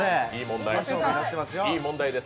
いい問題です。